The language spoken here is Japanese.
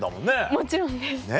もちろんです。